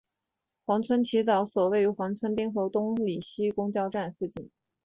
黄村祈祷所位于黄村滨河东里公交站附近。